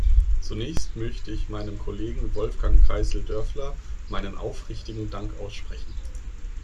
Zunächst möchte ich meinem Kollegen Wolfgang Kreissl-Dörfler meinen aufrichtigen Dank aussprechen.